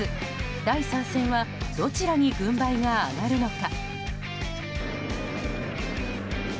第３戦はどちらに軍配が上がるのか。